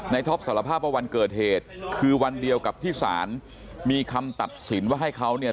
ท็อปสารภาพว่าวันเกิดเหตุคือวันเดียวกับที่ศาลมีคำตัดสินว่าให้เขาเนี่ย